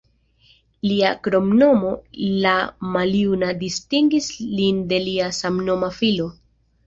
Lia kromnomo "la maljuna" distingis lin de lia samnoma filo.